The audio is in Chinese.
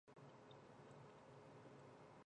他们个人的困境也交织贯穿本书。